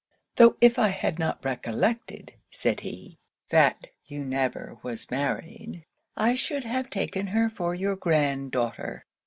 though if I had not recollected' said he, 'that you never was married, I should have taken her for your grand daughter.'